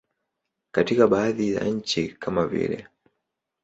Katika baadhi ya nchi kama vile.